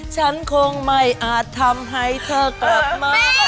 ฉันคงไม่อาจทำให้เธอกลับมา